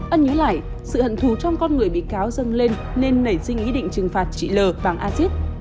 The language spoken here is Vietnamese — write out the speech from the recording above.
ân nhớ lại sự hận thù trong con người bị cáo dâng lên nên nảy sinh ý định trừng phạt chị l vàng axis